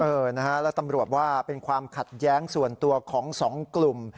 เออนะฮะแล้วตำรวจว่าเป็นความขัดแย้งส่วนตัวของสองกลุ่ม